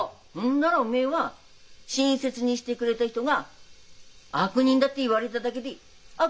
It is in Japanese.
んだらおめえは親切にしてくれた人が「悪人だ」って言われただけで「悪人だ」って思うのがい？